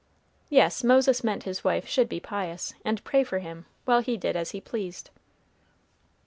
Yes, Moses meant his wife should be pious, and pray for him, while he did as he pleased.